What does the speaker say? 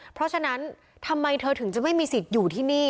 เพราะฉะนั้นทำไมเธอถึงจะไม่มีสิทธิ์อยู่ที่นี่